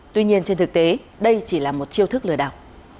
tuy nhiên trên thực tế đây chỉ là một chiêu thức lừa đảo